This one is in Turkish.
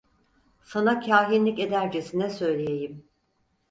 Sana kâhinlik edercesine söyleyeyim: